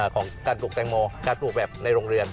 ของการปลูกแตงโมการปลูกแบบในโรงเรือน